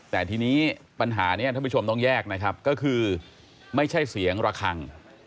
แต่ทีนี้ปัญหานี้ท่านผู้ชมต้องแยกนะครับก็คือไม่ใช่เสียงระคัง